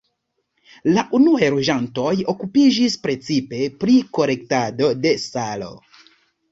La unuaj loĝantoj okupiĝis precipe pri kolektado de salo.